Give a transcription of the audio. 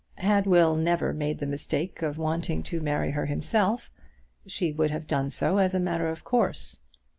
Had Will never made the mistake of wanting to marry her himself, she would have done so as a matter of course.